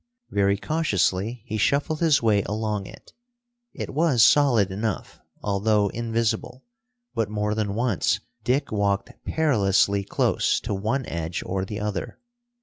Very cautiously he shuffled his way along it. It was solid enough, although invisible, but more than once Dick walked perilously close to one edge or the other.